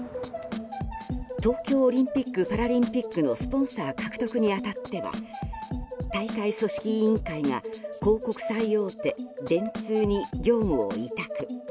東京オリンピック・パラリンピックのスポンサー獲得に当たっては大会組織委員会が広告最大手・電通に業務を委託。